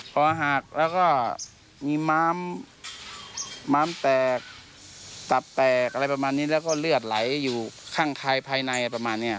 คอหักแล้วก็มีม้าม้ามแตกตับแตกอะไรประมาณนี้แล้วก็เลือดไหลอยู่ข้างคายภายในประมาณนี้